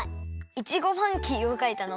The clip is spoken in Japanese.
イチゴファンキーをかいたの？